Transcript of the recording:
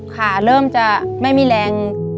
ขาเริ่มจะไม่มีแรง